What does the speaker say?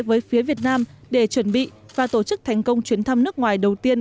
với phía việt nam để chuẩn bị và tổ chức thành công chuyến thăm nước ngoài đầu tiên